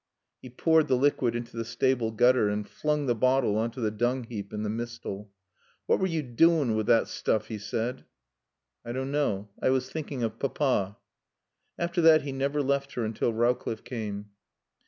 He poured the liquid into the stable gutter and flung the bottle on to the dung heap in the mistal. "What were you doing wi' thot stoof?" he said. "I don't know. I was thinking of Papa." After that he never left her until Rowcliffe came.